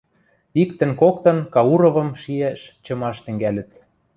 Иктӹн-коктын Кауровым шиӓш-чымаш тӹнгӓлӹт.